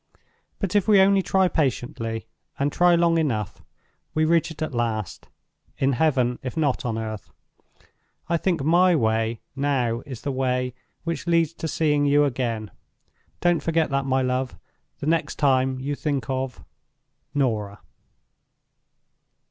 But if we only try patiently, and try long enough, we reach it at last—in heaven, if not on earth. I think my way now is the way which leads to seeing you again. Don't forget that, my love, the next time you think of "NORAH."